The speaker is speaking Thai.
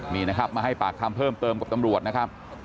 นี่นะครับมาให้ปากคำเพิ่มเติมกับตำรวจนะครับ